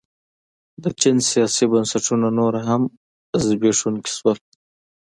د چین سیاسي بنسټونه نور هم زبېښونکي شول.